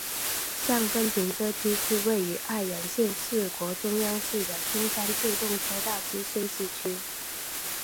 上分停车区是位于爱媛县四国中央市的松山自动车道之休息区。